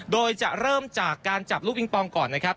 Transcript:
โดยจะเริ่มจากการจับลูกอิงปองก่อนนะครับ